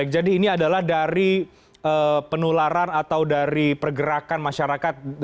jadi ini adalah dari penularan atau dari pergerakan masyarakat